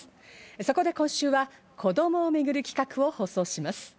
そこで今週は子供をめぐる企画を放送します。